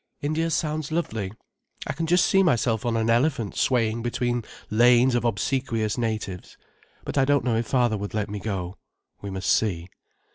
"India sounds lovely. I can just see myself on an elephant swaying between lanes of obsequious natives. But I don't know if father would let me go. We must see.